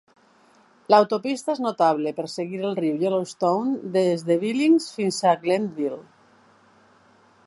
L'autopista és notable per seguir el riu Yellowstone des de Billings fins a Glendive.